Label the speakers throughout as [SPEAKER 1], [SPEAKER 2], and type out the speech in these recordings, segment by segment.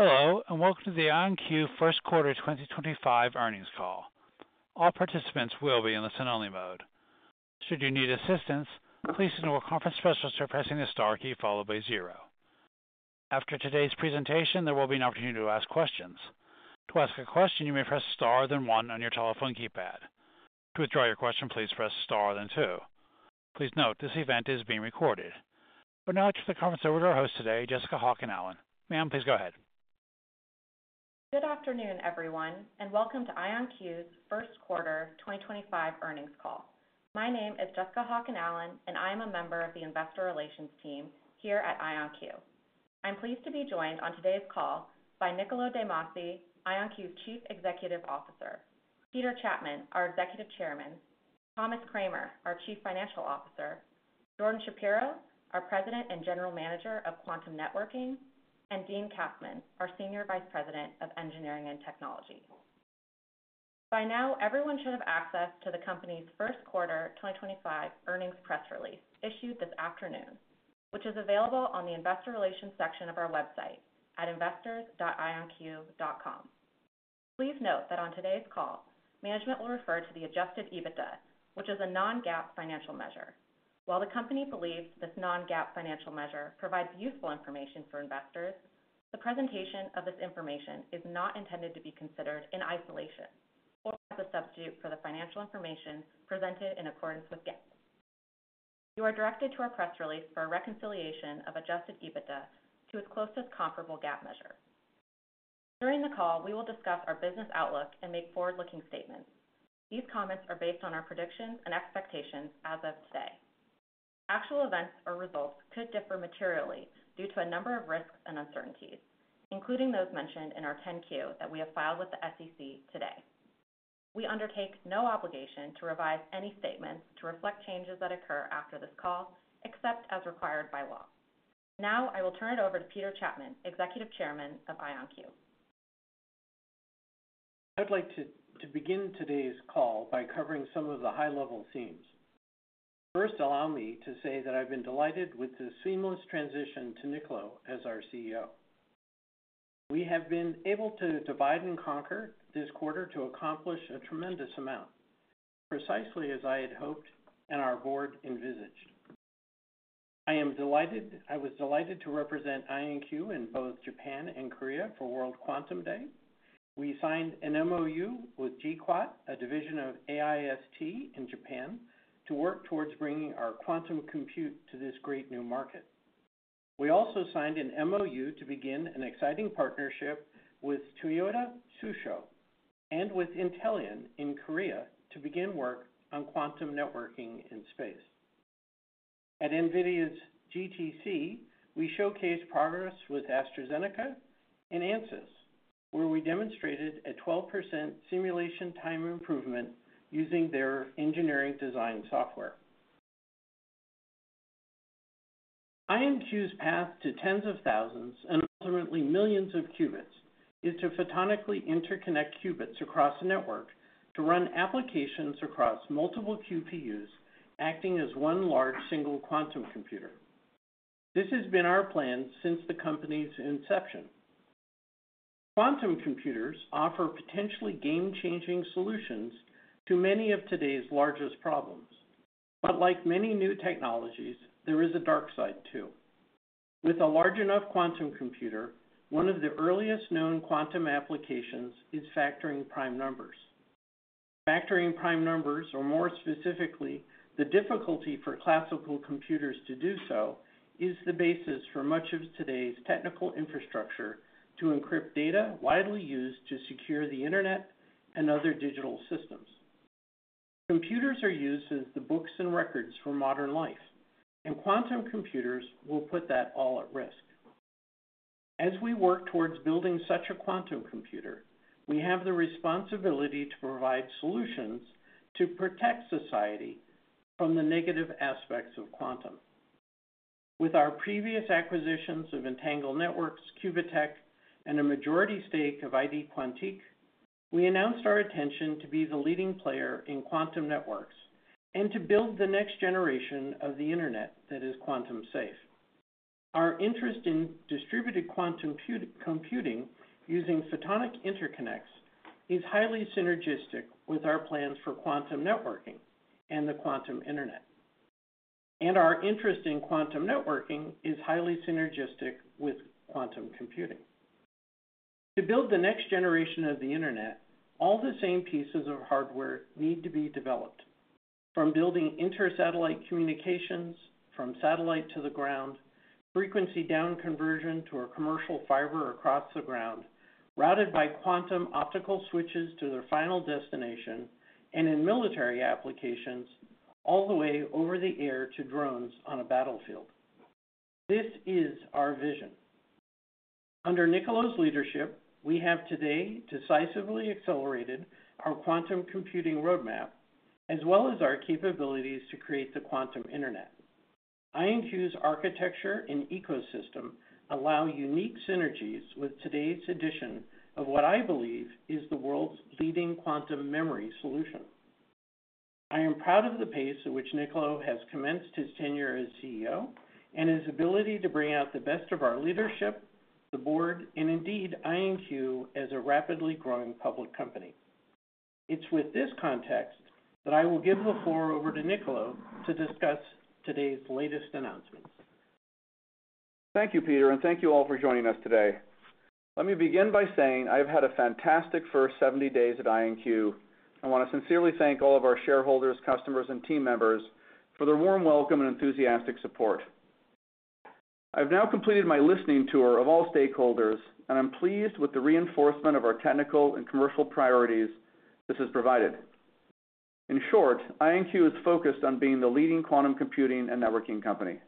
[SPEAKER 1] Hello, and welcome to the IonQ First Quarter 2025 earnings call. All participants will be in listen-only mode. Should you need assistance, please know our conference specialists are pressing the star key followed by zero. After today's presentation, there will be an opportunity to ask questions. To ask a question, you may press star then one on your telephone keypad. To withdraw your question, please press star then two. Please note this event is being recorded. We're now going to turn the conference over to our host today, Jessica Hocken Allen. Ma'am, please go ahead.
[SPEAKER 2] Good afternoon, everyone, and welcome to IonQ's First Quarter 2025 earnings call. My name is Jessica Hocken Allen, and I am a member of the Investor Relations team here at IonQ. I'm pleased to be joined on today's call by Niccolo de Masi, IonQ's Chief Executive Officer, Peter Chapman, our Executive Chairman, Thomas Kramer, our Chief Financial Officer, Jordan Shapiro, our President and General Manager of Quantum Networking, and Dean Kassman, our Senior Vice President of Engineering and Technology. By now, everyone should have access to the company's First Quarter 2025 earnings press release issued this afternoon, which is available on the Investor Relations section of our website at investors.ionq.com. Please note that on today's call, management will refer to the adjusted EBITDA, which is a non-GAAP financial measure. While the company believes this non-GAAP financial measure provides useful information for investors, the presentation of this information is not intended to be considered in isolation or as a substitute for the financial information presented in accordance with GAAP. You are directed to our press release for a reconciliation of adjusted EBITDA to its closest comparable GAAP measure. During the call, we will discuss our business outlook and make forward-looking statements. These comments are based on our predictions and expectations as of today. Actual events or results could differ materially due to a number of risks and uncertainties, including those mentioned in our 10-Q that we have filed with the SEC today. We undertake no obligation to revise any statements to reflect changes that occur after this call, except as required by law. Now, I will turn it over to Peter Chapman, Executive Chairman of IonQ.
[SPEAKER 3] I'd like to begin today's call by covering some of the high-level themes. First, allow me to say that I've been delighted with the seamless transition to Niccolo as our CEO. We have been able to divide and conquer this quarter to accomplish a tremendous amount, precisely as I had hoped and our board envisaged. I was delighted to represent IonQ in both Japan and Korea for World Quantum Day. We signed an MoU with G-QuaT, a division of AIST in Japan, to work towards bringing our quantum compute to this great new market. We also signed an MoU to begin an exciting partnership with Toyota, Susho, and with Intelion in Korea to begin work on quantum networking in space. At NVIDIA's GTC, we showcased progress with AstraZeneca and Ansys, where we demonstrated a 12% simulation time improvement using their engineering design software. IonQ's path to tens of thousands and ultimately millions of qubits is to photonically interconnect qubits across a network to run applications across multiple QPUs, acting as one large single quantum computer. This has been our plan since the company's inception. Quantum computers offer potentially game-changing solutions to many of today's largest problems. Like many new technologies, there is a dark side too. With a large enough quantum computer, one of the earliest known quantum applications is factoring prime numbers. Factoring prime numbers, or more specifically, the difficulty for classical computers to do so, is the basis for much of today's technical infrastructure to encrypt data widely used to secure the internet and other digital systems. Computers are used as the books and records for modern life, and quantum computers will put that all at risk. As we work towards building such a quantum computer, we have the responsibility to provide solutions to protect society from the negative aspects of quantum. With our previous acquisitions of Entangled Networks, Qubitekk, and a majority stake of ID Quantique, we announced our intention to be the leading player in quantum networks and to build the next generation of the internet that is quantum-safe. Our interest in distributed quantum computing using photonic interconnects is highly synergistic with our plans for quantum networking and the quantum internet. Our interest in quantum networking is highly synergistic with quantum computing. To build the next generation of the internet, all the same pieces of hardware need to be developed, from building inter-satellite communications, from satellite to the ground, frequency down-conversion to a commercial fiber across the ground, routed by quantum optical switches to their final destination, and in military applications, all the way over the air to drones on a battlefield. This is our vision. Under Niccolo's leadership, we have today decisively accelerated our quantum computing roadmap, as well as our capabilities to create the quantum internet. IonQ's architecture and ecosystem allow unique synergies with today's edition of what I believe is the world's leading quantum memory solution. I am proud of the pace at which Niccolo has commenced his tenure as CEO and his ability to bring out the best of our leadership, the board, and indeed IonQ as a rapidly growing public company. It's with this context that I will give the floor over to Niccolo to discuss today's latest announcements.
[SPEAKER 4] Thank you, Peter, and thank you all for joining us today. Let me begin by saying I've had a fantastic first 70 days at IonQ. I want to sincerely thank all of our shareholders, customers, and team members for their warm welcome and enthusiastic support. I've now completed my listening tour of all stakeholders, and I'm pleased with the reinforcement of our technical and commercial priorities this has provided. In short, IonQ is focused on being the leading quantum computing and networking company.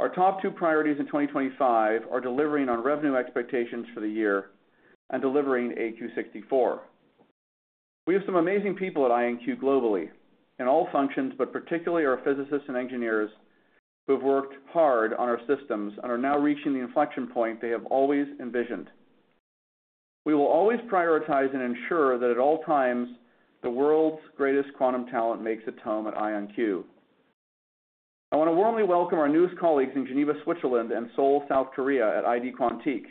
[SPEAKER 4] Our top two priorities in 2025 are delivering on revenue expectations for the year and delivering AQ64. We have some amazing people at IonQ globally in all functions, but particularly our physicists and engineers who have worked hard on our systems and are now reaching the inflection point they have always envisioned. We will always prioritize and ensure that at all times, the world's greatest quantum talent makes its home at IonQ. I want to warmly welcome our newest colleagues in Geneva, Switzerland, and Seoul, South Korea, at ID Quantique.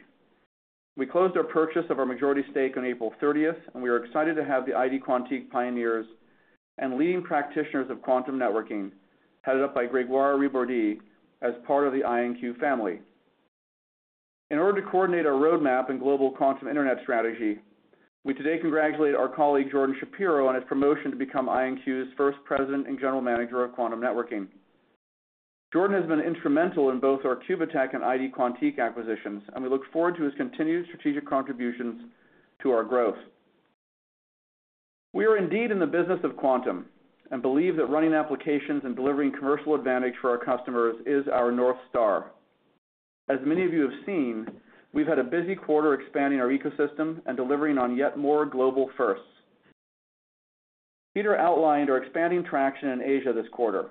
[SPEAKER 4] We closed our purchase of our majority stake on April 30th, and we are excited to have the ID Quantique pioneers and leading practitioners of quantum networking headed up by Grégoire Ribordy as part of the IonQ family. In order to coordinate our roadmap and global quantum internet strategy, we today congratulate our colleague Jordan Shapiro on his promotion to become IonQ's first President and General Manager of Quantum Networking. Jordan has been instrumental in both our Qubitekk and ID Quantique acquisitions, and we look forward to his continued strategic contributions to our growth. We are indeed in the business of quantum and believe that running applications and delivering commercial advantage for our customers is our North Star. As many of you have seen, we've had a busy quarter expanding our ecosystem and delivering on yet more global firsts. Peter outlined our expanding traction in Asia this quarter.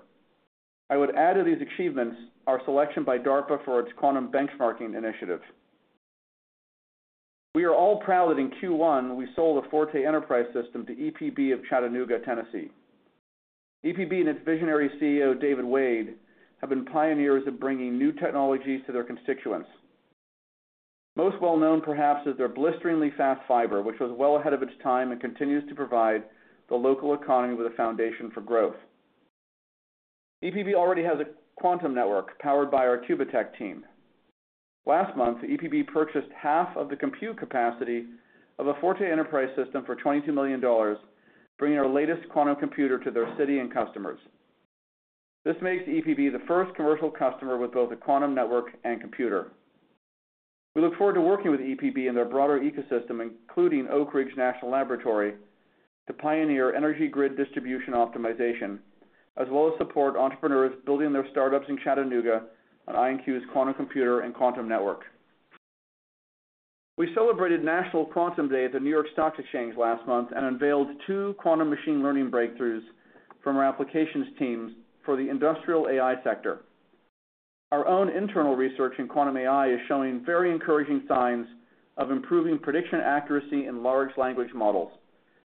[SPEAKER 4] I would add to these achievements our selection by DARPA for its quantum benchmarking initiative. We are all proud that in Q1, we sold a Forte Enterprise system to EPB of Chattanooga, Tennessee. EPB and its visionary CEO, David Wade, have been pioneers in bringing new technologies to their constituents. Most well-known, perhaps, is their blisteringly fast fiber, which was well ahead of its time and continues to provide the local economy with a foundation for growth. EPB already has a quantum network powered by our Qubitekk team. Last month, EPB purchased half of the compute capacity of a Forte Enterprise system for $22 million, bringing our latest quantum computer to their city and customers. This makes EPB the first commercial customer with both a quantum network and computer. We look forward to working with EPB and their broader ecosystem, including Oak Ridge National Laboratory, to pioneer energy grid distribution optimization, as well as support entrepreneurs building their startups in Chattanooga on IonQ's quantum computer and quantum network. We celebrated National Quantum Day at the New York Stock Exchange last month and unveiled two quantum machine learning breakthroughs from our applications teams for the industrial AI sector. Our own internal research in quantum AI is showing very encouraging signs of improving prediction accuracy in large language models,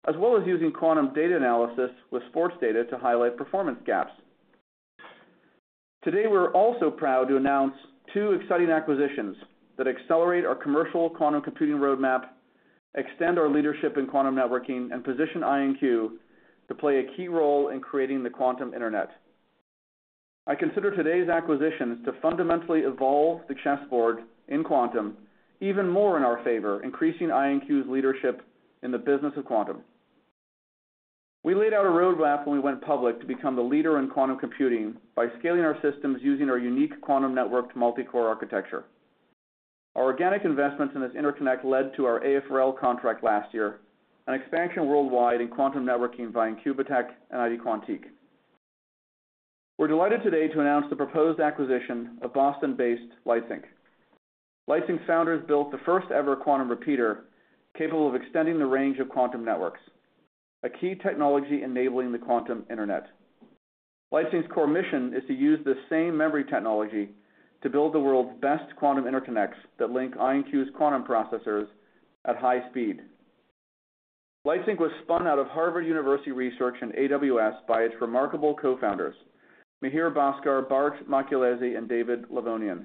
[SPEAKER 4] as well as using quantum data analysis with sports data to highlight performance gaps. Today, we're also proud to announce two exciting acquisitions that accelerate our commercial quantum computing roadmap, extend our leadership in quantum networking, and position IonQ to play a key role in creating the quantum internet. I consider today's acquisitions to fundamentally evolve the chessboard in quantum even more in our favor, increasing IonQ's leadership in the business of quantum. We laid out a roadmap when we went public to become the leader in quantum computing by scaling our systems using our unique quantum networked multi-core architecture. Our organic investments in this interconnect led to our AFRL contract last year and expansion worldwide in quantum networking via Qubitekk and ID Quantique. We're delighted today to announce the proposed acquisition of Boston-based Lightsynq. Lightsynq's founders built the first-ever quantum repeater capable of extending the range of quantum networks, a key technology enabling the quantum internet. Lightsynq's core mission is to use this same memory technology to build the world's best quantum interconnects that link IonQ's quantum processors at high speed. Lightsynq was spun out of Harvard University research and AWS by its remarkable co-founders, Mihir Bhaskar, Bart Machielse, and David Lavonian.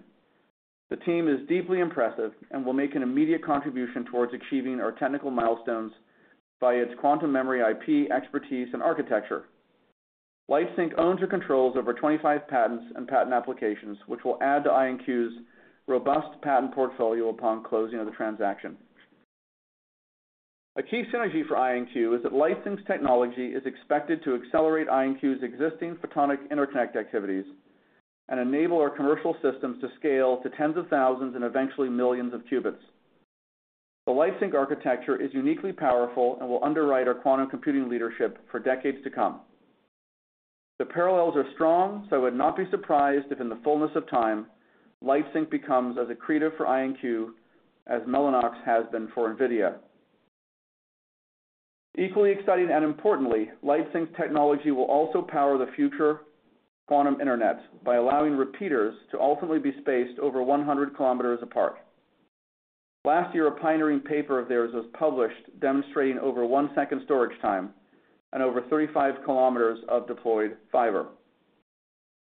[SPEAKER 4] The team is deeply impressive and will make an immediate contribution towards achieving our technical milestones by its quantum memory IP expertise and architecture. Lightsynq owns or controls over 25 patents and patent applications, which will add to IonQ's robust patent portfolio upon closing of the transaction. A key synergy for IonQ is that Lightsynq's technology is expected to accelerate IonQ's existing photonic interconnect activities and enable our commercial systems to scale to tens of thousands and eventually millions of qubits. The Lightsynq architecture is uniquely powerful and will underwrite our quantum computing leadership for decades to come. The parallels are strong, so I would not be surprised if in the fullness of time, Lightsynq becomes as accretive for IonQ as Mellanox has been for NVIDIA. Equally exciting and importantly, Lightsynq's technology will also power the future quantum internet by allowing repeaters to ultimately be spaced over 100 kilometers apart. Last year, a pioneering paper of theirs was published demonstrating over one second storage time and over 35 km of deployed fiber.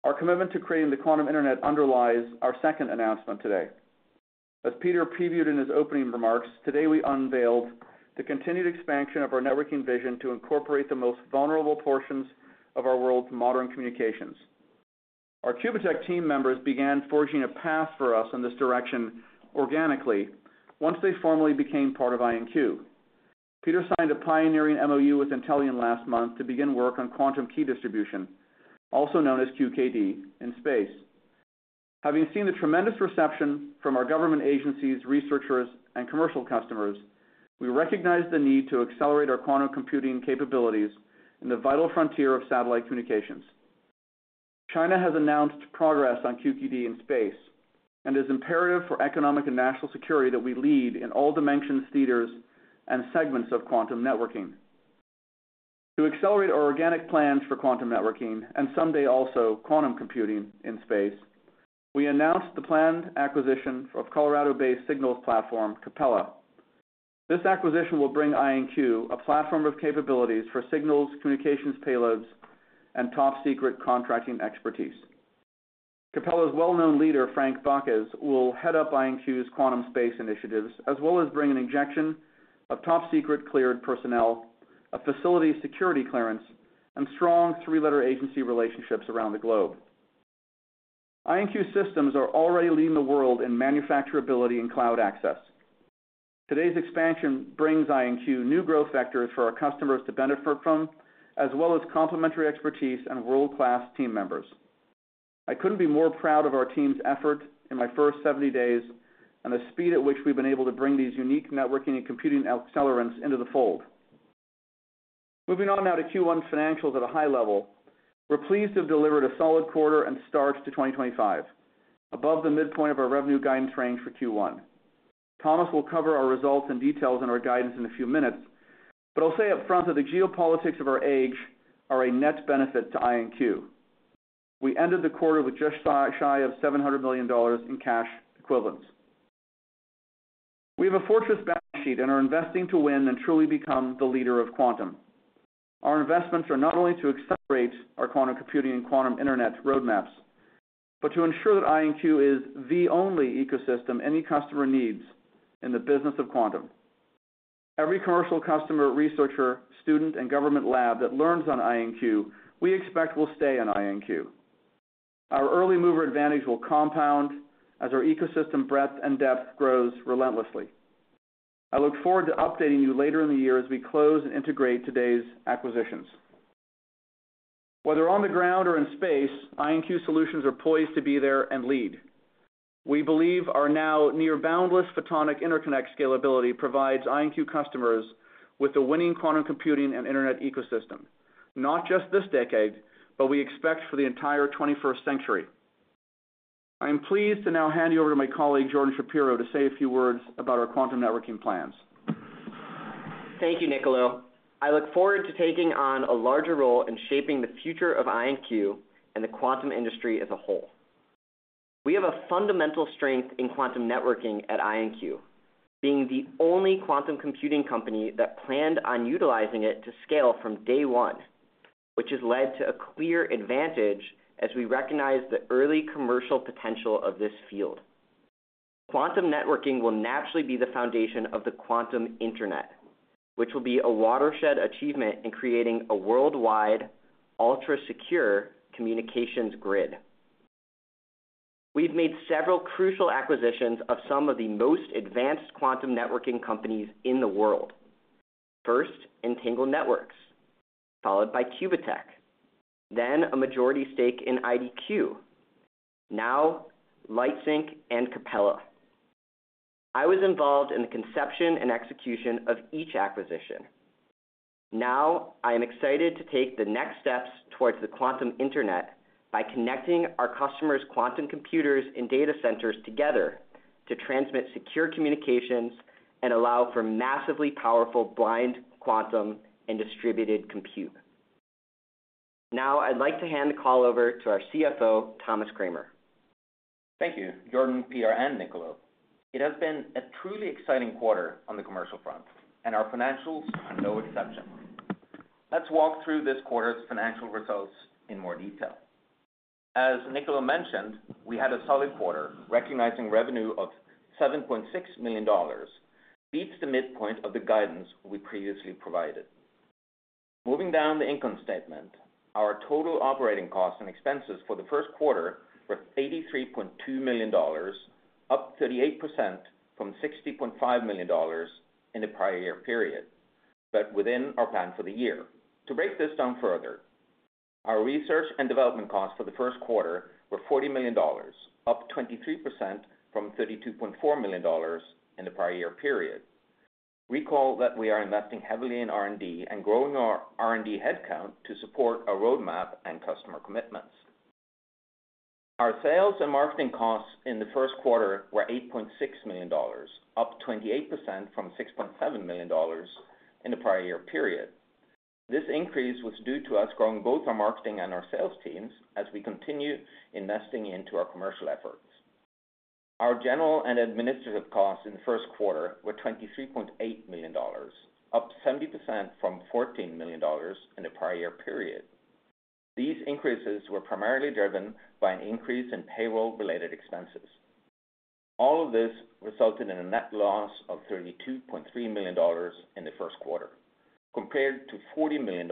[SPEAKER 4] Our commitment to creating the quantum internet underlies our second announcement today. As Peter previewed in his opening remarks, today we unveiled the continued expansion of our networking vision to incorporate the most vulnerable portions of our world's modern communications. Our Qubitekk team members began forging a path for us in this direction organically once they formally became part of IonQ. Peter signed a pioneering MoU with Intelion last month to begin work on quantum key distribution, also known as QKD, in space. Having seen the tremendous reception from our government agencies, researchers, and commercial customers, we recognize the need to accelerate our quantum computing capabilities in the vital frontier of satellite communications. China has announced progress on QKD in space and it is imperative for economic and national security that we lead in all dimensions, theaters, and segments of quantum networking. To accelerate our organic plans for quantum networking and someday also quantum computing in space, we announced the planned acquisition of Colorado-based signals platform Capella. This acquisition will bring IonQ a platform of capabilities for signals, communications payloads, and top secret contracting expertise. Capella's well-known leader, Frank Backes, will head up IonQ's quantum space initiatives, as well as bring an injection of top secret cleared personnel, a facility security clearance, and strong three-letter agency relationships around the globe. IonQ systems are already leading the world in manufacturability and cloud access. Today's expansion brings IonQ new growth factors for our customers to benefit from, as well as complementary expertise and world-class team members. I couldn't be more proud of our team's effort in my first 70 days and the speed at which we've been able to bring these unique networking and computing accelerants into the fold. Moving on now to Q1 financials at a high level, we're pleased to have delivered a solid quarter and start to 2025, above the midpoint of our revenue guidance range for Q1. Thomas will cover our results and details in our guidance in a few minutes, but I'll say upfront that the geopolitics of our age are a net benefit to IonQ. We ended the quarter with just shy of $700 million in cash equivalents. We have a fortress balance sheet and are investing to win and truly become the leader of quantum. Our investments are not only to accelerate our quantum computing and quantum internet roadmaps, but to ensure that IonQ is the only ecosystem any customer needs in the business of quantum. Every commercial customer, researcher, student, and government lab that learns on IonQ, we expect will stay on IonQ. Our early mover advantage will compound as our ecosystem breadth and depth grows relentlessly. I look forward to updating you later in the year as we close and integrate today's acquisitions. Whether on the ground or in space, IonQ solutions are poised to be there and lead. We believe our now near boundless photonic interconnect scalability provides IonQ customers with a winning quantum computing and internet ecosystem, not just this decade, but we expect for the entire 21st century. I am pleased to now hand you over to my colleague, Jordan Shapiro, to say a few words about our quantum networking plans.
[SPEAKER 5] Thank you, Niccolo. I look forward to taking on a larger role in shaping the future of IonQ and the quantum industry as a whole. We have a fundamental strength in quantum networking at IonQ, being the only quantum computing company that planned on utilizing it to scale from day one, which has led to a clear advantage as we recognize the early commercial potential of this field. Quantum networking will naturally be the foundation of the quantum internet, which will be a watershed achievement in creating a worldwide ultra-secure communications grid. We've made several crucial acquisitions of some of the most advanced quantum networking companies in the world. First, Entangled Networks, followed by Qubitekk, then a majority stake in IDQ, now Lightsynq and Capella. I was involved in the conception and execution of each acquisition. Now I am excited to take the next steps towards the quantum internet by connecting our customers' quantum computers and data centers together to transmit secure communications and allow for massively powerful blind quantum and distributed compute. Now I'd like to hand the call over to our CFO, Thomas Kramer.
[SPEAKER 6] Thank you, Jordan, Peter, and Niccolo. It has been a truly exciting quarter on the commercial front, and our financials are no exception. Let's walk through this quarter's financial results in more detail. As Niccolo mentioned, we had a solid quarter, recognizing revenue of $7.6 million, which beats the midpoint of the guidance we previously provided. Moving down the income statement, our total operating costs and expenses for the first quarter were $83.2 million, up 38% from $60.5 million in the prior year period, but within our plan for the year. To break this down further, our research and development costs for the first quarter were $40 million, up 23% from $32.4 million in the prior year period. Recall that we are investing heavily in R&D and growing our R&D headcount to support our roadmap and customer commitments. Our sales and marketing costs in the first quarter were $8.6 million, up 28% from $6.7 million in the prior year period. This increase was due to us growing both our marketing and our sales teams as we continue investing into our commercial efforts. Our general and administrative costs in the first quarter were $23.8 million, up 70% from $14 million in the prior year period. These increases were primarily driven by an increase in payroll-related expenses. All of this resulted in a net loss of $32.3 million in the first quarter, compared to $40 million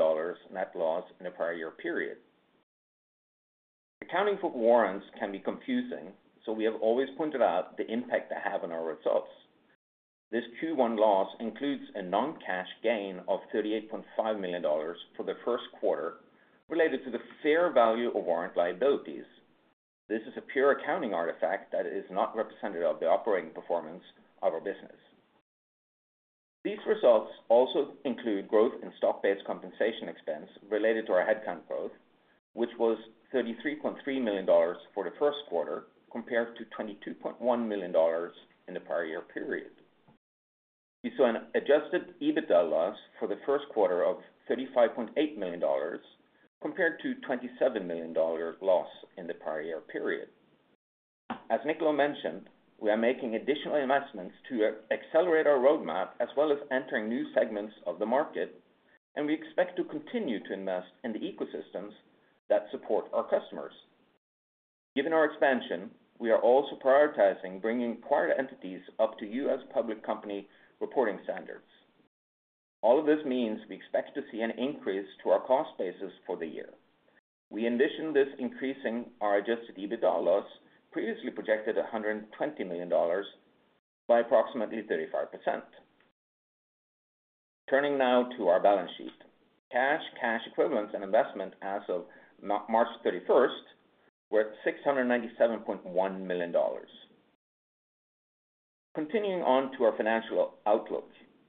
[SPEAKER 6] net loss in the prior year period. Accounting for warrants can be confusing, so we have always pointed out the impact they have on our results. This Q1 loss includes a non-cash gain of $38.5 million for the first quarter related to the fair value of warrant liabilities. This is a pure accounting artifact that is not representative of the operating performance of our business. These results also include growth in stock-based compensation expense related to our headcount growth, which was $33.3 million for the first quarter compared to $22.1 million in the prior year period. We saw an adjusted EBITDA loss for the first quarter of $35.8 million, compared to a $27 million loss in the prior year period. As Niccolo mentioned, we are making additional investments to accelerate our roadmap as well as entering new segments of the market, and we expect to continue to invest in the ecosystems that support our customers. Given our expansion, we are also prioritizing bringing acquired entities up to U.S. public company reporting standards. All of this means we expect to see an increase to our cost basis for the year. We envision this increasing our adjusted EBITDA loss, previously projected at $120 million, by approximately 35%. Turning now to our balance sheet, cash, cash equivalents, and investment as of March 31 were $697.1 million. Continuing on to our financial outlook,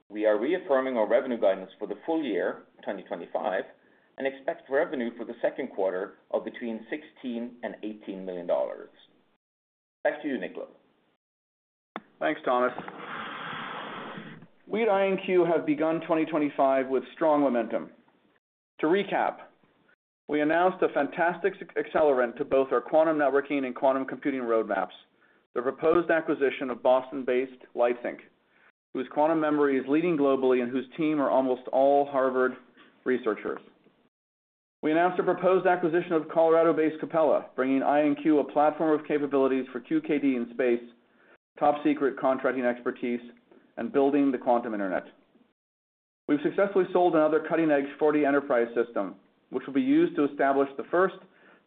[SPEAKER 6] we are reaffirming our revenue guidance for the full year, 2025, and expect revenue for the second quarter of between $16 million and $18 million. Back to you, Niccolo.
[SPEAKER 4] Thanks, Thomas. We at IonQ have begun 2025 with strong momentum. To recap, we announced a fantastic accelerant to both our quantum networking and quantum computing roadmaps, the proposed acquisition of Boston-based Lightsynq, whose quantum memory is leading globally and whose team are almost all Harvard researchers. We announced a proposed acquisition of Colorado-based Capella, bringing IonQ a platform of capabilities for QKD in space, top secret contracting expertise, and building the quantum internet. We have successfully sold another cutting-edge Forte Enterprise system, which will be used to establish the first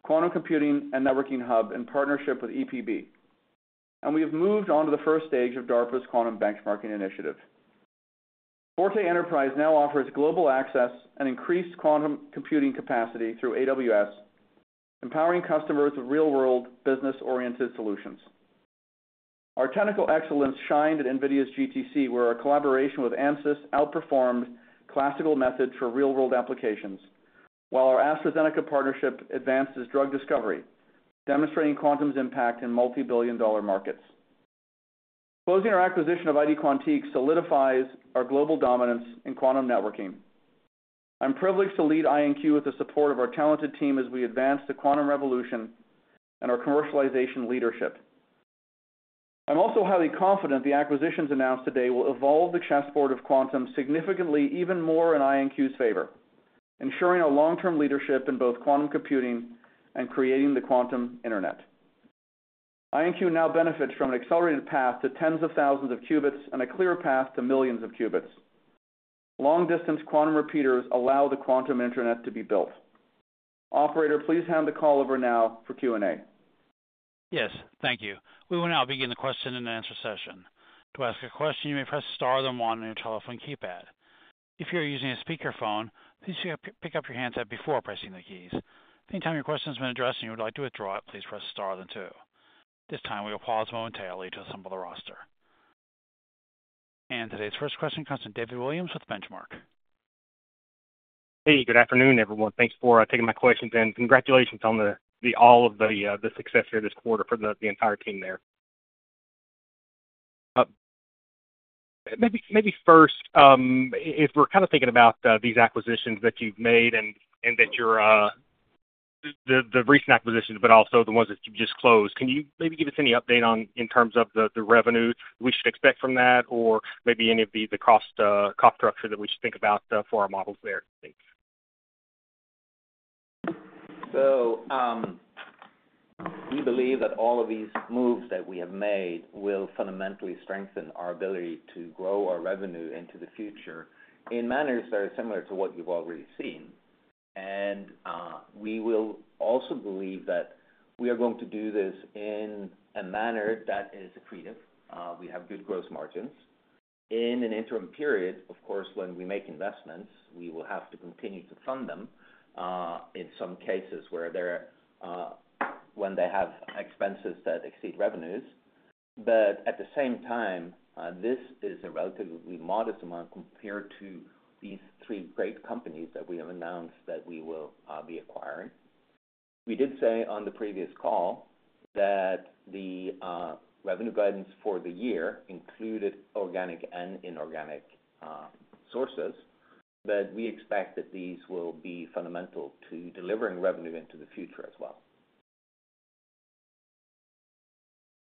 [SPEAKER 4] quantum computing and networking hub in partnership with EPB. We have moved on to the first stage of DARPA's quantum benchmarking initiative. Forte Enterprise now offers global access and increased quantum computing capacity through AWS, empowering customers with real-world business-oriented solutions. Our technical excellence shined at NVIDIA's GTC, where our collaboration with Ansys outperformed classical methods for real-world applications, while our AstraZeneca partnership advances drug discovery, demonstrating quantum's impact in multi-billion dollar markets. Closing our acquisition of ID Quantique solidifies our global dominance in quantum networking. I'm privileged to lead IonQ with the support of our talented team as we advance the quantum revolution and our commercialization leadership. I'm also highly confident the acquisitions announced today will evolve the chessboard of quantum significantly even more in IonQ's favor, ensuring our long-term leadership in both quantum computing and creating the quantum internet. IonQ now benefits from an accelerated path to tens of thousands of qubits and a clear path to millions of qubits. Long-distance quantum repeaters allow the quantum internet to be built. Operator, please hand the call over now for Q&A.
[SPEAKER 1] Yes, thank you. We will now begin the question and answer session. To ask a question, you may press star then one on your telephone keypad. If you're using a speakerphone, please pick up your handset before pressing the keys. Anytime your question has been addressed and you would like to withdraw it, please press star then two. At this time, we will pause momentarily to assemble the roster. Today's first question comes from David Williams with Benchmark.
[SPEAKER 7] Hey, good afternoon, everyone. Thanks for taking my questions and congratulations on all of the success here this quarter for the entire team there. Maybe first, if we're kind of thinking about these acquisitions that you've made and the recent acquisitions, but also the ones that you've just closed, can you maybe give us any update in terms of the revenue we should expect from that or maybe any of the cost structure that we should think about for our models there?
[SPEAKER 6] We believe that all of these moves that we have made will fundamentally strengthen our ability to grow our revenue into the future in manners that are similar to what you've already seen. We also believe that we are going to do this in a manner that is accretive. We have good gross margins. In an interim period, of course, when we make investments, we will have to continue to fund them in some cases when they have expenses that exceed revenues. At the same time, this is a relatively modest amount compared to these three great companies that we have announced that we will be acquiring. We did say on the previous call that the revenue guidance for the year included organic and inorganic sources, but we expect that these will be fundamental to delivering revenue into the future as well.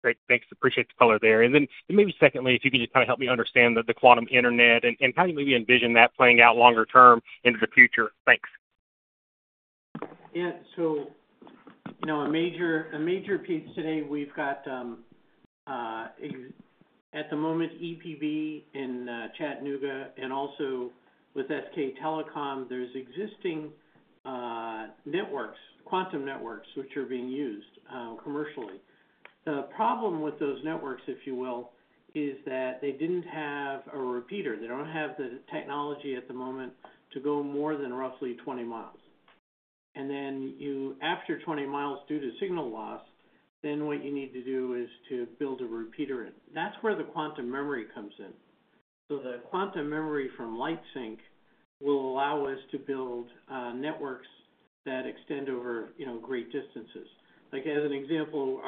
[SPEAKER 7] Great. Thanks. Appreciate the color there. Maybe secondly, if you can just kind of help me understand the quantum internet and kind of maybe envision that playing out longer term into the future. Thanks.
[SPEAKER 3] Yeah. A major piece today, we've got at the moment EPB in Chattanooga and also with SK Telecom, there's existing networks, quantum networks, which are being used commercially. The problem with those networks, if you will, is that they didn't have a repeater. They don't have the technology at the moment to go more than roughly 20 mi. After 20 mi due to signal loss, what you need to do is to build a repeater. That's where the quantum memory comes in. The quantum memory from Lightsynq will allow us to build networks that extend over great distances. As an example,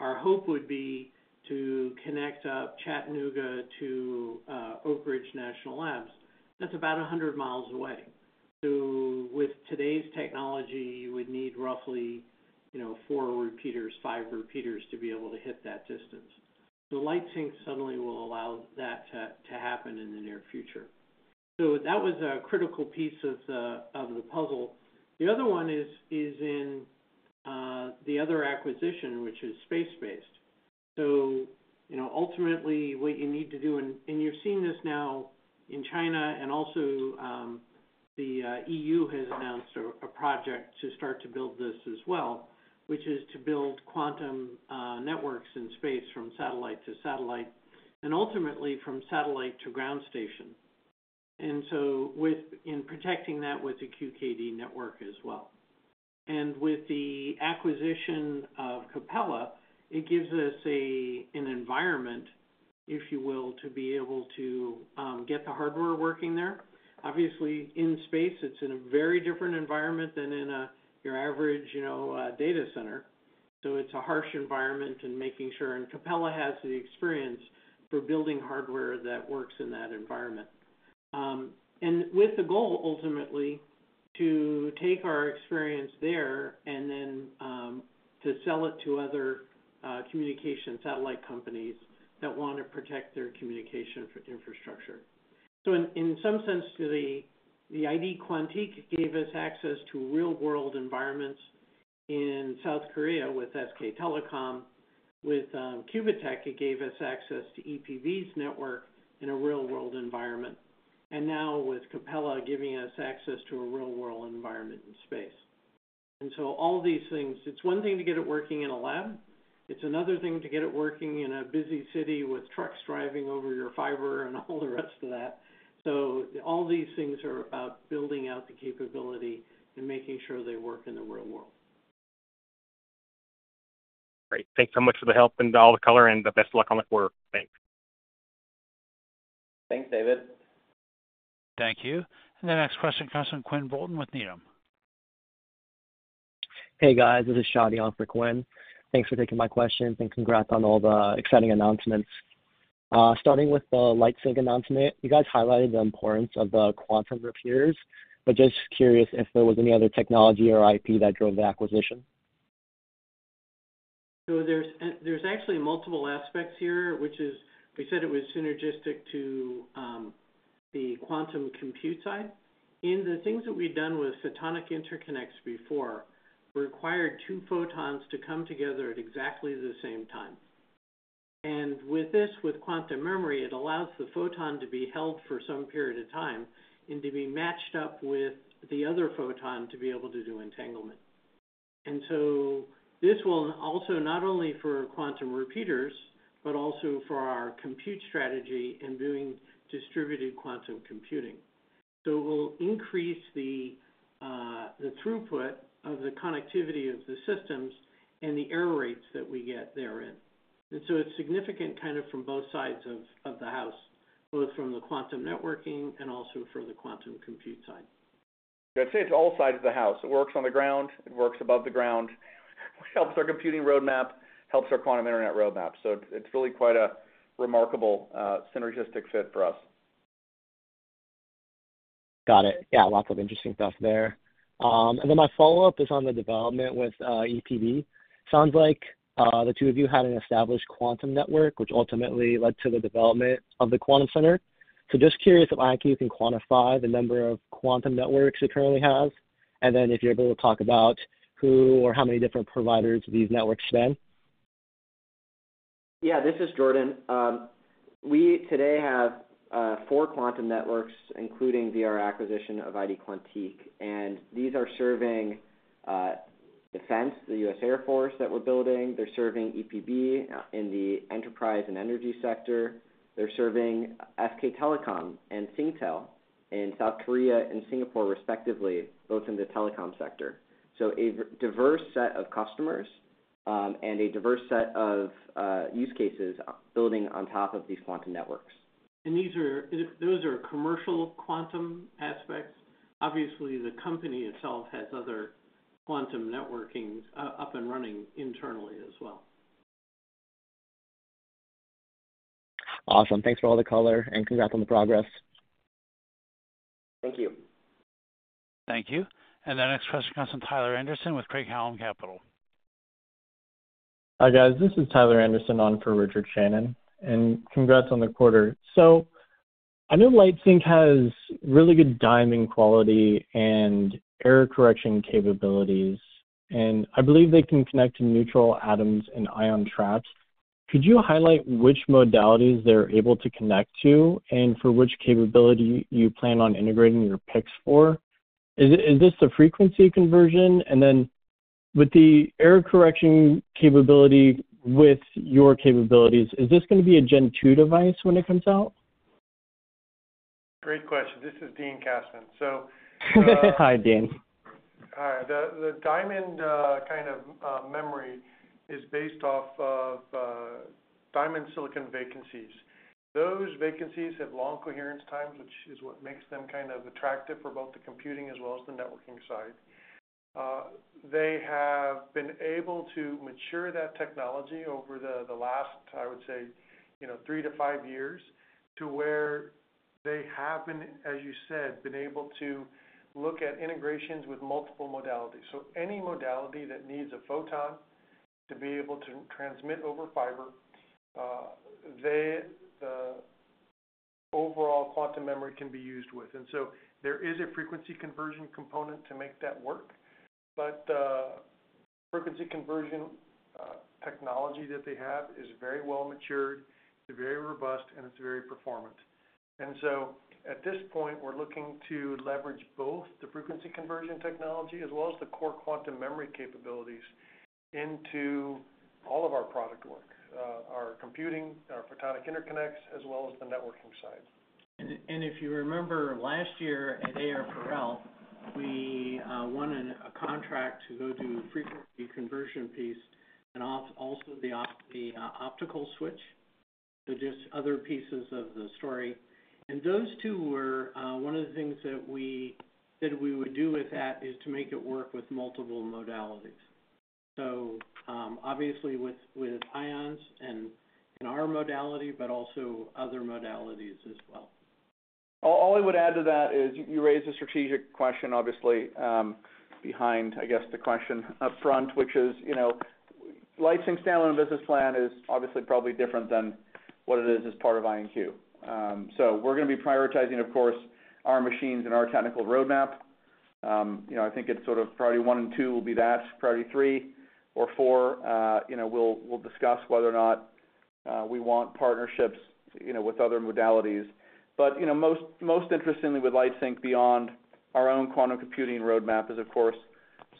[SPEAKER 3] our hope would be to connect Chattanooga to Oak Ridge National Labs. That's about 100 mi away. With today's technology, you would need roughly four repeaters, five repeaters to be able to hit that distance. Lightsynq suddenly will allow that to happen in the near future. That was a critical piece of the puzzle. The other one is in the other acquisition, which is space-based. Ultimately, what you need to do, and you're seeing this now in China and also the EU has announced a project to start to build this as well, which is to build quantum networks in space from satellite to satellite and ultimately from satellite to ground station. In protecting that with the QKD network as well. With the acquisition of Capella, it gives us an environment, if you will, to be able to get the hardware working there. Obviously, in space, it's in a very different environment than in your average data center. It's a harsh environment, and making sure, and Capella has the experience for building hardware that works in that environment. With the goal ultimately to take our experience there and then to sell it to other communication satellite companies that want to protect their communication infrastructure. In some sense, ID Quantique gave us access to real-world environments in South Korea with SK Telecom. With Qubitekk, it gave us access to EPB's network in a real-world environment. Now with Capella, giving us access to a real-world environment in space. All these things, it's one thing to get it working in a lab. It's another thing to get it working in a busy city with trucks driving over your fiber and all the rest of that. All these things are about building out the capability and making sure they work in the real world.
[SPEAKER 7] Great. Thanks so much for the help and all the color and the best of luck on the quarter. Thanks.
[SPEAKER 5] Thanks, David.
[SPEAKER 1] Thank you. The next question comes from Quinn Bolton with Needham.
[SPEAKER 8] Hey, guys. This is Shadi on for Quinn. Thanks for taking my questions and congrats on all the exciting announcements. Starting with the Lightsynq announcement, you guys highlighted the importance of the quantum repeaters, but just curious if there was any other technology or IP that drove the acquisition.
[SPEAKER 3] There are actually multiple aspects here, which is we said it was synergistic to the quantum compute side. In the things that we have done with photonic interconnects before, we required two photons to come together at exactly the same time. With this, with quantum memory, it allows the photon to be held for some period of time and to be matched up with the other photon to be able to do entanglement. This will also not only be for quantum repeaters, but also for our compute strategy and doing distributed quantum computing. It will increase the throughput of the connectivity of the systems and the error rates that we get therein. It is significant from both sides of the house, both from the quantum networking and also for the quantum compute side.
[SPEAKER 4] I'd say it's all sides of the house. It works on the ground. It works above the ground. It helps our computing roadmap, helps our quantum internet roadmap. It is really quite a remarkable synergistic fit for us.
[SPEAKER 3] Got it. Yeah, lots of interesting stuff there. My follow-up is on the development with EPB. Sounds like the two of you had an established quantum network, which ultimately led to the development of the quantum center. Just curious if IonQ can quantify the number of quantum networks it currently has, and if you're able to talk about who or how many different providers these networks span.
[SPEAKER 5] Yeah, this is Jordan. We today have four quantum networks, including the acquisition of ID Quantique. And these are serving defense, the U.S. Air Force that we're building. They're serving EPB in the enterprise and energy sector. They're serving SK Telecom and Singtel in South Korea and Singapore, respectively, both in the telecom sector. So a diverse set of customers and a diverse set of use cases building on top of these quantum networks.
[SPEAKER 9] Those are commercial quantum aspects. Obviously, the company itself has other quantum networking up and running internally as well.
[SPEAKER 3] Awesome. Thanks for all the color and congrats on the progress.
[SPEAKER 6] Thank you.
[SPEAKER 1] Thank you. The next question comes from Tyler Anderson with Craig-Hallum Capital.
[SPEAKER 10] Hi guys. This is Tyler Anderson on for Richard Shannon. Congrats on the quarter. I know Lightsynq has really good diamond quality and error correction capabilities. I believe they can connect to neutral atoms and ion traps. Could you highlight which modalities they're able to connect to and for which capability you plan on integrating your PIX4? Is this the frequency conversion? With the error correction capability with your capabilities, is this going to be a Gen 2 device when it comes out?
[SPEAKER 9] Great question. This is Dean Kassmann. So.
[SPEAKER 10] Hi, Dean.
[SPEAKER 9] Hi. The diamond kind of memory is based off of diamond silicon vacancies. Those vacancies have long coherence times, which is what makes them kind of attractive for both the computing as well as the networking side. They have been able to mature that technology over the last, I would say, three to five years to where they have been, as you said, able to look at integrations with multiple modalities. Any modality that needs a photon to be able to transmit over fiber, the overall quantum memory can be used with. There is a frequency conversion component to make that work. The frequency conversion technology that they have is very well matured. It is very robust, and it is very performant. At this point, we're looking to leverage both the frequency conversion technology as well as the core quantum memory capabilities into all of our product work, our computing, our photonic interconnects, as well as the networking side.
[SPEAKER 3] If you remember last year at AR Parallel, we won a contract to go do frequency conversion piece and also the optical switch. Just other pieces of the story. Those two were one of the things that we said we would do with that is to make it work with multiple modalities. Obviously with ions and our modality, but also other modalities as well.
[SPEAKER 4] All I would add to that is you raised a strategic question, obviously, behind, I guess, the question upfront, which is Lightsynq's download business plan is obviously probably different than what it is as part of IonQ. We are going to be prioritizing, of course, our machines and our technical roadmap. I think it's sort of priority one and two will be that. Priority three or four, we will discuss whether or not we want partnerships with other modalities. Most interestingly with Lightsynq beyond our own quantum computing roadmap is, of course,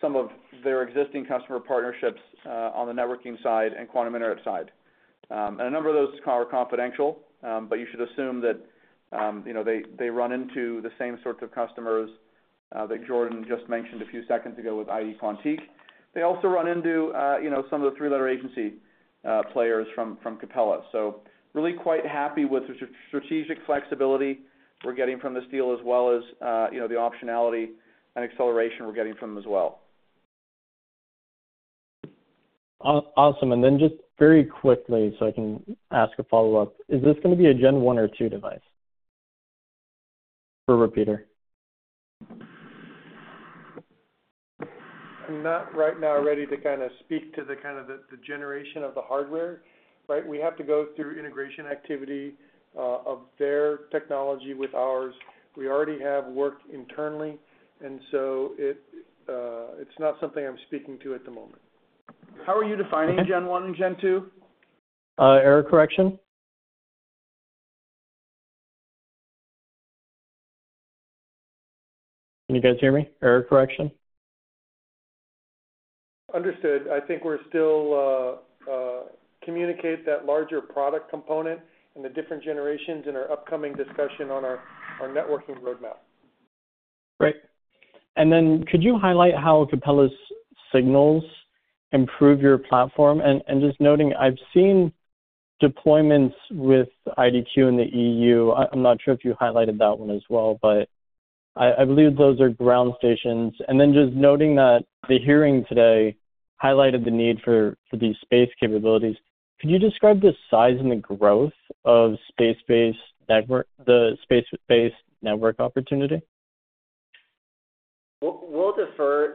[SPEAKER 4] some of their existing customer partnerships on the networking side and quantum internet side. A number of those are confidential, but you should assume that they run into the same sorts of customers that Jordan just mentioned a few seconds ago with ID Quantique. They also run into some of the three-letter agency players from Capella. Really quite happy with the strategic flexibility we're getting from this deal, as well as the optionality and acceleration we're getting from them as well.
[SPEAKER 10] Awesome. Just very quickly, so I can ask a follow-up, is this going to be a Gen 1 or 2 device for repeater?
[SPEAKER 9] I'm not right now ready to kind of speak to the kind of the generation of the hardware, right? We have to go through integration activity of their technology with ours. We already have worked internally. And so it's not something I'm speaking to at the moment. How are you defining Gen 1 and Gen 2?
[SPEAKER 10] Error correction. Can you guys hear me? Error correction.
[SPEAKER 9] Understood. I think we're still communicating that larger product component and the different generations in our upcoming discussion on our networking roadmap.
[SPEAKER 10] Great. Could you highlight how Capella's signals improve your platform? I've seen deployments with IDQ in the EU. I'm not sure if you highlighted that one as well, but I believe those are ground stations. The hearing today highlighted the need for these space capabilities. Could you describe the size and the growth of the space-based network opportunity?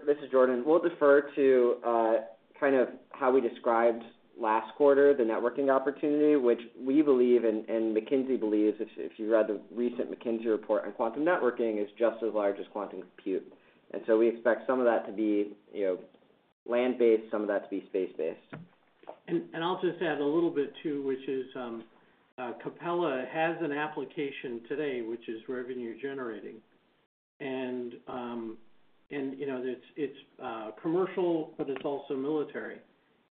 [SPEAKER 5] This is Jordan. We'll defer to kind of how we described last quarter, the networking opportunity, which we believe and McKinsey believes, if you read the recent McKinsey report on quantum networking, is just as large as quantum compute. We expect some of that to be land-based, some of that to be space-based.
[SPEAKER 3] I'll just add a little bit too, which is Capella has an application today, which is revenue-generating. It's commercial, but it's also military.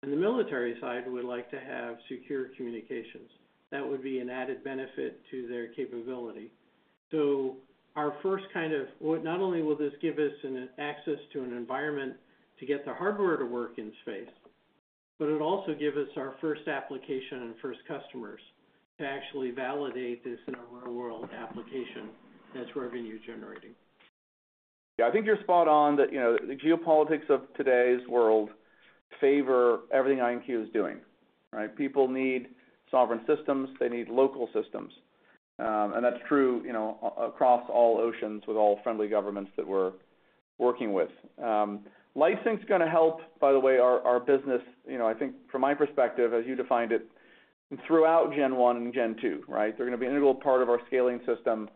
[SPEAKER 3] The military side would like to have secure communications. That would be an added benefit to their capability. Our first kind of not only will this give us access to an environment to get the hardware to work in space, but it'll also give us our first application and first customers to actually validate this in a real-world application that's revenue-generating.
[SPEAKER 4] Yeah, I think you're spot on that the geopolitics of today's world favor everything IonQ is doing, right? People need sovereign systems. They need local systems. That's true across all oceans with all friendly governments that we're working with. Lightsynq's going to help, by the way, our business, I think, from my perspective, as you defined it, throughout Gen 1 and Gen 2, right? They're going to be an integral part of our scaling system,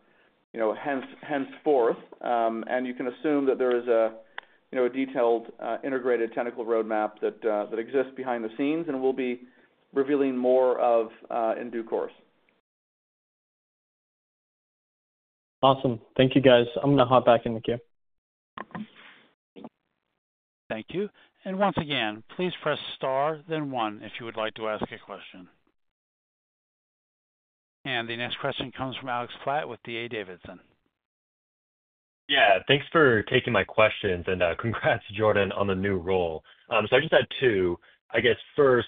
[SPEAKER 4] henceforth. You can assume that there is a detailed integrated technical roadmap that exists behind the scenes and we'll be revealing more of in due course.
[SPEAKER 10] Awesome. Thank you, guys. I'm going to hop back in the queue.
[SPEAKER 1] Thank you. Once again, please press star, then one if you would like to ask a question. The next question comes from Alex Platt with D.A. Davidson.
[SPEAKER 11] Yeah. Thanks for taking my questions. Congrats, Jordan, on the new role. I just had two. I guess first,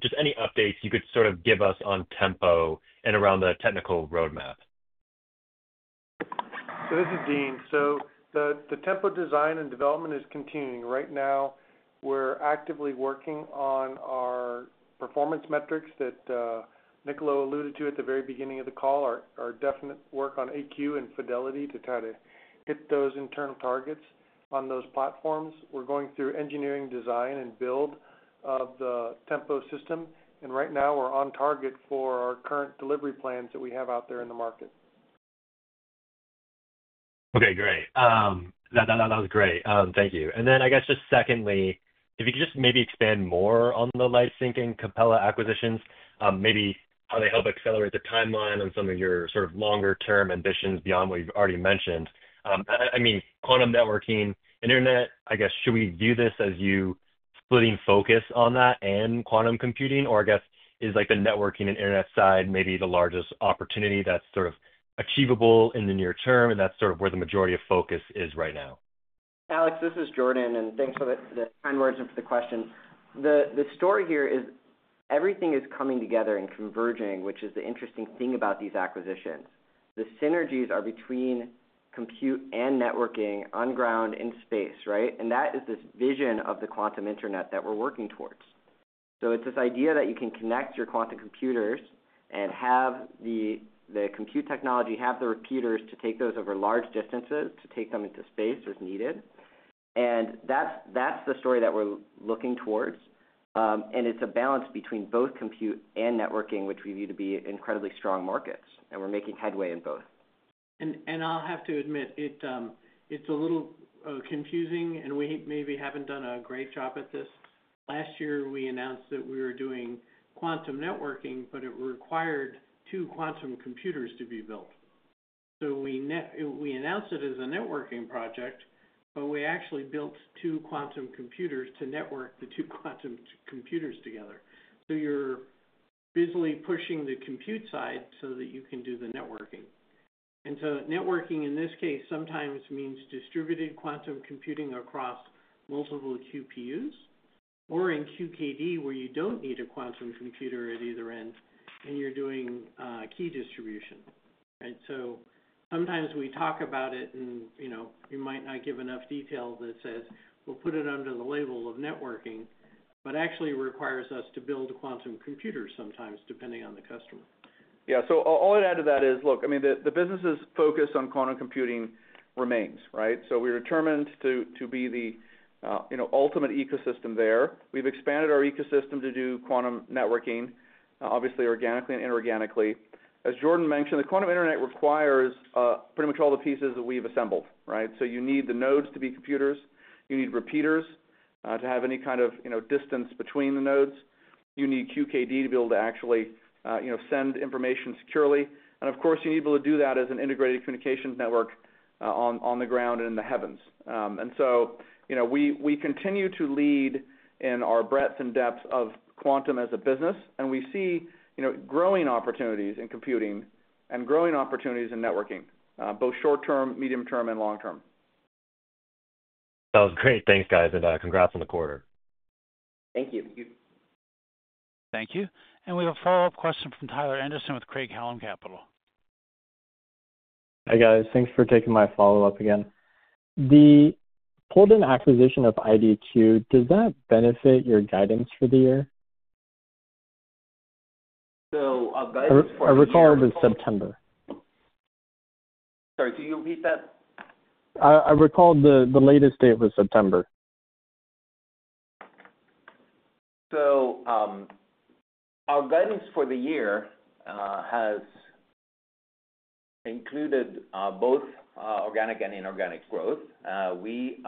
[SPEAKER 11] just any updates you could sort of give us on Tempo and around the technical roadmap.
[SPEAKER 9] This is Dean. The Tempo design and development is continuing. Right now, we're actively working on our performance metrics that Niccolo alluded to at the very beginning of the call, our definite work on AQ and Fidelity to try to hit those internal targets on those platforms. We're going through engineering, design, and build of the Tempo system. Right now, we're on target for our current delivery plans that we have out there in the market.
[SPEAKER 11] Okay, great. That was great. Thank you. I guess just secondly, if you could just maybe expand more on the Lightsynq and Capella acquisitions, maybe how they help accelerate the timeline on some of your sort of longer-term ambitions beyond what you've already mentioned. I mean, quantum networking, internet, I guess, should we view this as you splitting focus on that and quantum computing? Or I guess, is the networking and internet side maybe the largest opportunity that's sort of achievable in the near term? That's sort of where the majority of focus is right now.
[SPEAKER 5] Alex, this is Jordan. Thanks for the kind words and for the question. The story here is everything is coming together and converging, which is the interesting thing about these acquisitions. The synergies are between compute and networking on ground in space, right? That is this vision of the quantum internet that we're working towards. It's this idea that you can connect your quantum computers and have the compute technology, have the repeaters to take those over large distances to take them into space as needed. That's the story that we're looking towards. It's a balance between both compute and networking, which we view to be incredibly strong markets. We're making headway in both.
[SPEAKER 9] I'll have to admit, it's a little confusing. We maybe haven't done a great job at this. Last year, we announced that we were doing quantum networking, but it required two quantum computers to be built. We announced it as a networking project, but we actually built two quantum computers to network the two quantum computers together. You're busily pushing the compute side so that you can do the networking. Networking, in this case, sometimes means distributed quantum computing across multiple QPUs or in QKD, where you don't need a quantum computer at either end, and you're doing key distribution, right? Sometimes we talk about it, and we might not give enough detail that says, "We'll put it under the label of networking," but actually requires us to build quantum computers sometimes, depending on the customer.
[SPEAKER 4] Yeah. All I'd add to that is, look, I mean, the business's focus on quantum computing remains, right? We are determined to be the ultimate ecosystem there. We have expanded our ecosystem to do quantum networking, obviously organically and inorganically. As Jordan mentioned, the quantum internet requires pretty much all the pieces that we have assembled, right? You need the nodes to be computers. You need repeaters to have any kind of distance between the nodes. You need QKD to be able to actually send information securely. Of course, you need to be able to do that as an integrated communication network on the ground and in the heavens. We continue to lead in our breadth and depth of quantum as a business. We see growing opportunities in computing and growing opportunities in networking, both short-term, medium-term, and long-term.
[SPEAKER 11] That was great. Thanks, guys. Congrats on the quarter.
[SPEAKER 5] Thank you.
[SPEAKER 1] Thank you. We have a follow-up question from Tyler Anderson with Craig-Hallum Capital.
[SPEAKER 10] Hi guys. Thanks for taking my follow-up again. The Pulldon acquisition of IDQ, does that benefit your guidance for the year? I recall. I recall it was September.
[SPEAKER 6] Sorry, can you repeat that?
[SPEAKER 10] I recall the latest date was September.
[SPEAKER 6] Our guidance for the year has included both organic and inorganic growth. We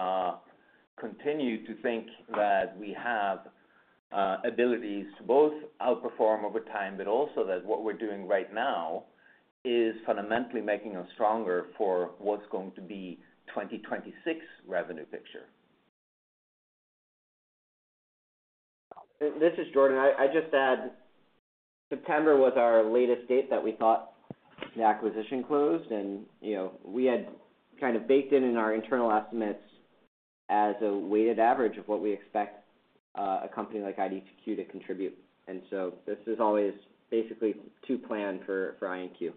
[SPEAKER 6] continue to think that we have abilities to both outperform over time, but also that what we're doing right now is fundamentally making us stronger for what's going to be the 2026 revenue picture. This is Jordan. I just add September was our latest date that we thought the acquisition closed. And we had kind of baked in in our internal estimates as a weighted average of what we expect a company like IDQ to contribute. And so this is always basically to plan for IonQ.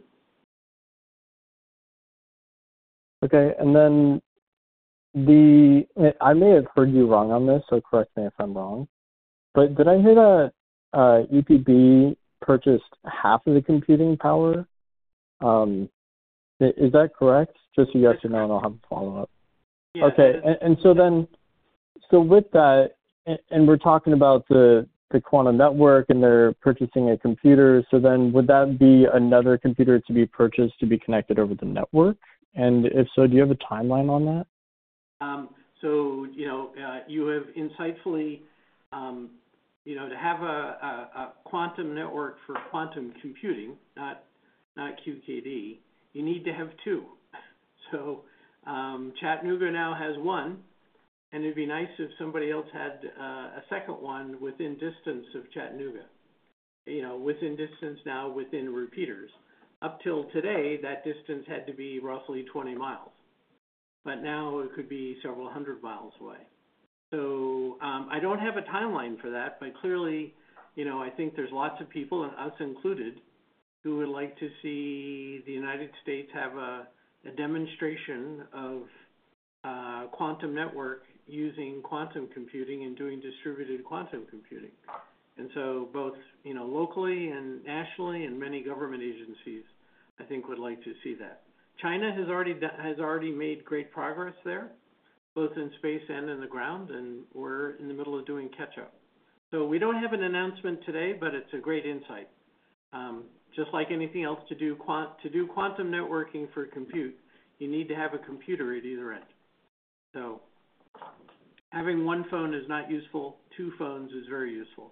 [SPEAKER 10] Okay. I may have heard you wrong on this, so correct me if I'm wrong. Did I hear that EPB purchased half of the computing power? Is that correct? Just a yes or no, and I'll have a follow-up. Okay. With that, we're talking about the quantum network and they're purchasing a computer, would that be another computer to be purchased to be connected over the network? If so, do you have a timeline on that?
[SPEAKER 3] You have insightfully, to have a quantum network for quantum computing, not QKD, you need to have two. Chattanooga now has one. It'd be nice if somebody else had a second one within distance of Chattanooga, within distance now, within repeaters. Up till today, that distance had to be roughly 20 mi. Now it could be several hundred mi away. I don't have a timeline for that, but clearly, I think there's lots of people, us included, who would like to see the United States have a demonstration of quantum network using quantum computing and doing distributed quantum computing. Both locally and nationally and many government agencies, I think, would like to see that. China has already made great progress there, both in space and in the ground. We're in the middle of doing catch-up. We don't have an announcement today, but it's a great insight. Just like anything else, to do quantum networking for compute, you need to have a computer at either end. Having one phone is not useful. Two phones is very useful.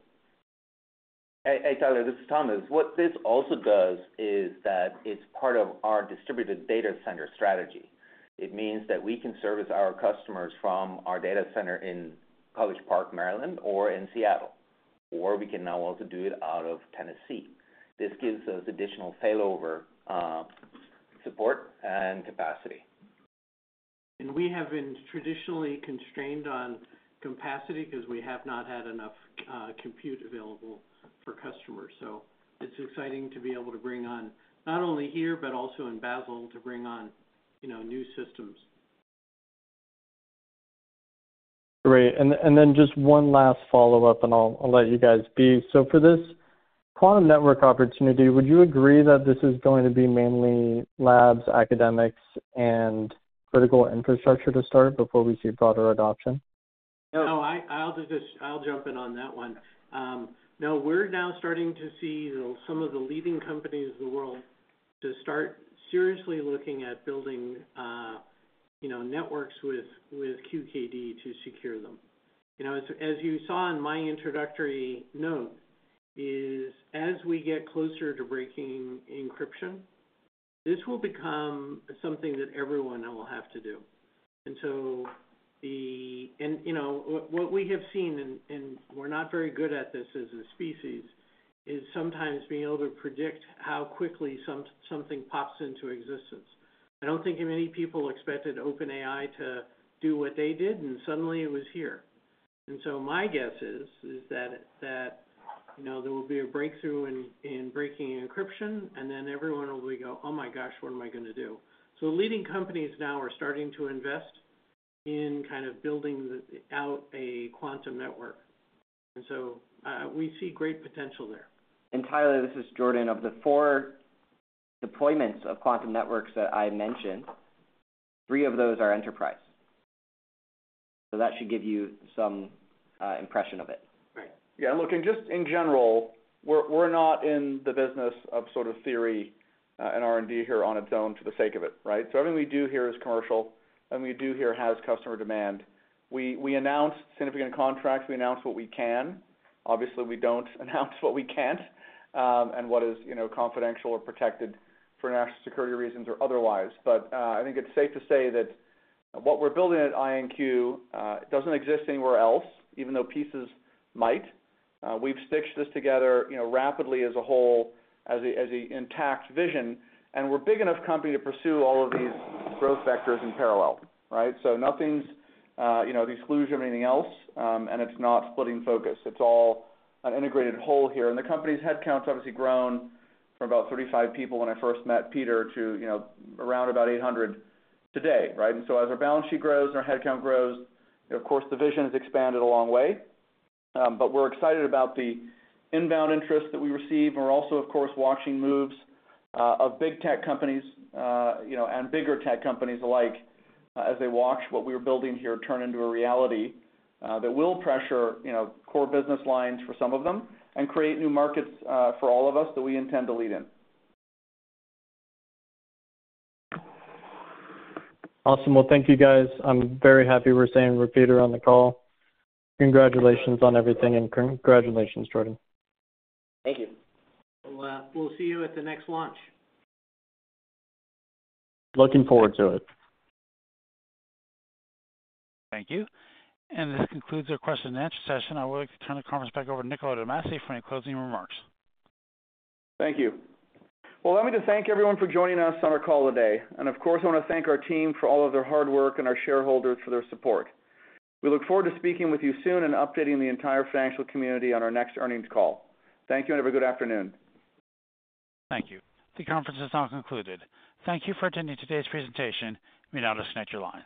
[SPEAKER 6] Hey, Tyler, this is Thomas. What this also does is that it's part of our distributed data center strategy. It means that we can service our customers from our data center in College Park, Maryland, or in Seattle. Or we can now also do it out of Tennessee. This gives us additional failover support and capacity.
[SPEAKER 3] We have been traditionally constrained on capacity because we have not had enough compute available for customers. It is exciting to be able to bring on not only here, but also in Basel to bring on new systems.
[SPEAKER 10] Great. Just one last follow-up, and I'll let you guys be. For this quantum network opportunity, would you agree that this is going to be mainly labs, academics, and critical infrastructure to start before we see broader adoption?
[SPEAKER 3] No, I'll jump in on that one. No, we're now starting to see some of the leading companies in the world start seriously looking at building networks with QKD to secure them. As you saw in my introductory note, as we get closer to breaking encryption, this will become something that everyone will have to do. What we have seen, and we're not very good at this as a species, is sometimes being able to predict how quickly something pops into existence. I don't think many people expected OpenAI to do what they did, and suddenly it was here. My guess is that there will be a breakthrough in breaking encryption, and then everyone will go, "Oh my gosh, what am I going to do?" Leading companies now are starting to invest in kind of building out a quantum network. We see great potential there.
[SPEAKER 5] Tyler, this is Jordan. Of the four deployments of quantum networks that I mentioned, three of those are enterprise. That should give you some impression of it.
[SPEAKER 4] Right. Yeah. Look, and just in general, we're not in the business of sort of theory and R&D here on its own for the sake of it, right? So everything we do here is commercial. Everything we do here has customer demand. We announce significant contracts. We announce what we can. Obviously, we don't announce what we can't and what is confidential or protected for national security reasons or otherwise. I think it's safe to say that what we're building at IonQ doesn't exist anywhere else, even though pieces might. We've stitched this together rapidly as a whole, as an intact vision. We're a big enough company to pursue all of these growth vectors in parallel, right? Nothing's the exclusion of anything else, and it's not splitting focus. It's all an integrated whole here. The company's headcount has obviously grown from about 35 people when I first met Peter to around 800 today, right? As our balance sheet grows and our headcount grows, of course, the vision has expanded a long way. We are excited about the inbound interest that we receive. We are also, of course, watching moves of big tech companies and bigger tech companies alike as they watch what we are building here turn into a reality that will pressure core business lines for some of them and create new markets for all of us that we intend to lead in.
[SPEAKER 10] Awesome. Thank you, guys. I'm very happy we're seeing repeater on the call. Congratulations on everything, and congratulations, Jordan.
[SPEAKER 5] Thank you.
[SPEAKER 3] We'll see you at the next launch.
[SPEAKER 10] Looking forward to it.
[SPEAKER 2] Thank you. This concludes our question and answer session. I would like to turn the conference back over to Niccolo de Masi for any closing remarks.
[SPEAKER 4] Thank you. Let me just thank everyone for joining us on our call today. Of course, I want to thank our team for all of their hard work and our shareholders for their support. We look forward to speaking with you soon and updating the entire financial community on our next earnings call. Thank you, and have a good afternoon.
[SPEAKER 1] Thank you. The conference is now concluded. Thank you for attending today's presentation. You may now disconnect your lines.